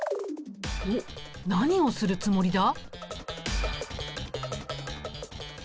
おっ何をするつもりだ？